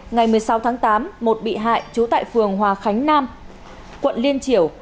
ngày một mươi sáu tháng tám một bị hại trú tại phường hòa khánh nam quận liên triểu